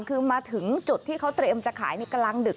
คือมาถึงจุดที่เขาเตรียมจะขายในกลางดึก